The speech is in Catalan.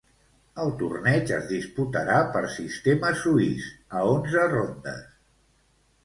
El torneig es disputarà per sistema suís, a onze rondes.